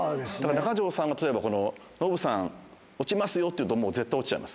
中条さんが、例えばノブさん落ちますよって言うと、もう絶対落ちちゃいます。